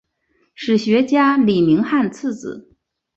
史学家李铭汉次子。